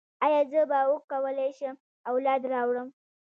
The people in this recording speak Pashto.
ایا زه به وکولی شم اولاد راوړم؟